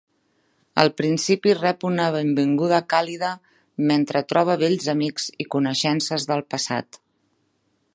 Al principi rep una benvinguda càlida mentre troba vells amics i coneixences del passat.